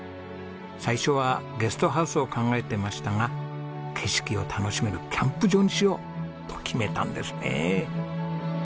最初はゲストハウスを考えていましたが景色を楽しめるキャンプ場にしようと決めたんですね。